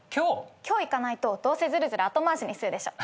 今日行かないとどうせずるずる後回しにするでしょ？